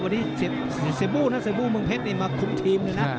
วันนี้เซบูนะเซบูเมืองเพชรมาคุกทีมเลยนะ